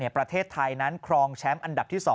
ประเทศไทยนั้นครองแชมป์อันดับที่๒